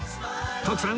徳さん